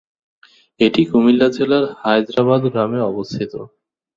এটি কুমিল্লা জেলার হায়দরাবাদ গ্রামে অবস্থিত।